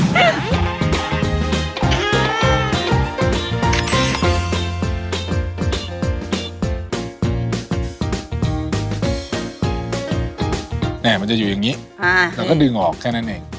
เนี่ยมันจะอยู่อย่างนี้อ่าแล้วก็ดึงออกแค่นั้นเอง